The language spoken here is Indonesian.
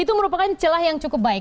itu merupakan celah yang cukup baik